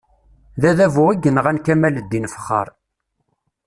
D Adabu i yenɣan Kamal-ddin Fexxar.